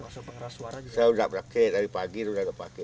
saya sudah pakai dari pagi sudah pakai